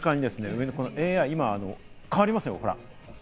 ６六角、ＡＩが今、変わりますよ。